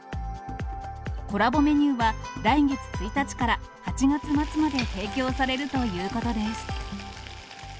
コラボメニューは、来月１日から８月末まで提供されるということです。